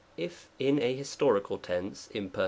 If in a histori cal tense (Imperf.